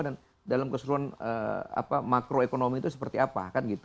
dan dalam keseluruhan makroekonomi itu seperti apa